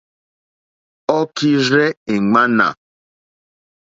Ɔ́ kírzɛ́ è ŋmánà.